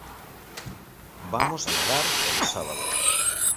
Vamos a nadar el sábado.